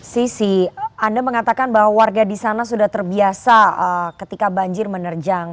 sisi anda mengatakan bahwa warga di sana sudah terbiasa ketika banjir menerjang